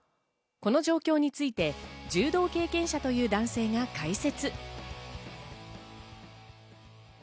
この状況について柔道経験者という男性が解説。